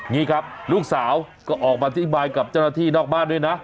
นี่ครับลูกสาวก็ออกมาอธิบายกับเจ้าหน้าที่นอกบ้านด้วยนะ